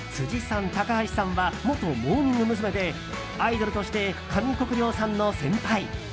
辻さん、高橋さんは元モーニング娘。でアイドルとして上國料さんの先輩。